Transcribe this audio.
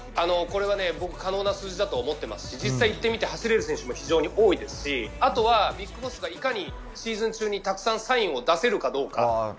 これはね、僕は可能な数字だと思ってますし、実際行ってみると走れる選手も非常に多いですしあとは、ビッグボスがいかにシーズン中にたくさんサインを出せるかどうか。